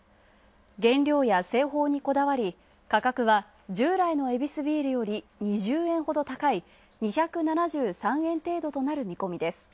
原料や製法にこだわり価格は従来の従来のヱビスビールより２０円ほど高い２７３円程度となる見込みです。